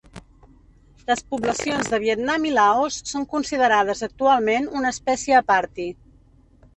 Les poblacions de Vietnam i Laos són considerades actualment una espècie aparti.